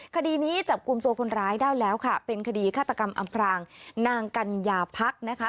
คดีนี้จับกลุ่มตัวคนร้ายได้แล้วค่ะเป็นคดีฆาตกรรมอำพรางนางกัญญาพักนะคะ